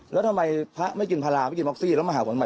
แล้วทำไมพระไม่กินพาราไม่กิน็อกซี่แล้วมาหาผมใหม่